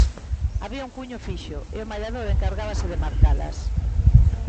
Había un cuño fixo e o mallador encargábase de marcalas.